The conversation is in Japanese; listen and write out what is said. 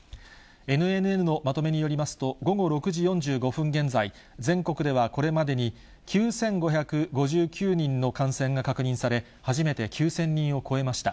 ＮＮＮのまとめによりますと、午後６時４５分現在、全国ではこれまでに、９５５９人の感染が確認され、初めて９０００人を超えました。